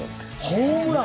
ホームラン。